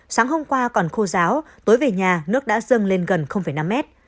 sáng hôm qua còn khô giáo tối về nhà nước đã dâng lên gần năm mét